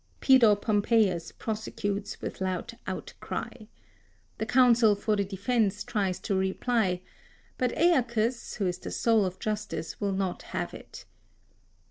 Pedo Pompeius prosecutes with loud outcry. The counsel for the defence tries to reply; but Aeacus, who is the soul of justice, will not have it.